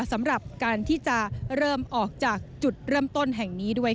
สำหรับการที่จะเริ่มออกจากจุดเริ่มต้นแห่งนี้ด้วย